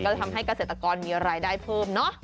จะทำให้เกษตรกรมีรายได้เพิ่มเนอะ